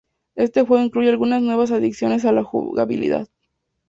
Este juego incluye algunas nuevas adiciones a la jugabilidad.